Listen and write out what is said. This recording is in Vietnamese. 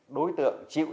đối tượng chịu trọng